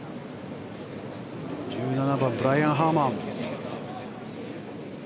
１７番、ブライアン・ハーマン。